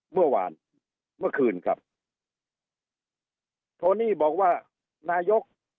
เมื่อวานเมื่อคืนครับโทนี่บอกว่านายก